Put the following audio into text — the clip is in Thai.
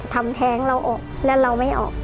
ก็เลยทำแท้งเราออกแล้วเราไม่ออก